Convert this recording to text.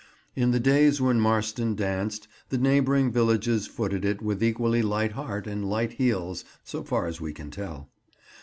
In the days when Marston danced, the neighbouring villages footed it with equally light heart and light heels, so far as we can tell.